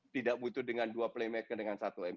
tidak butuh dengan dua playmaker dengan satu m